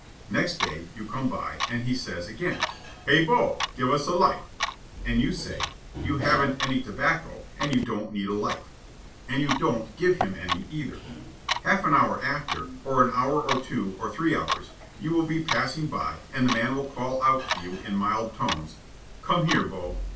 Next day you come by, and he says again, "Hey, Bo, give us a light." And you say, "You haven't any tobacco and you don't need a light." And you don't give him any, either. Half an hour after, or an hour or two or three hours, you will be passing by and the man will call out to you in mild tones, "Come here, Bo."